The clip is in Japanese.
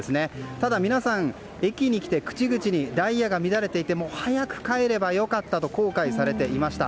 ただ、皆さん、駅に来て口々にダイヤが乱れていて早く帰ればよかったと後悔されていました。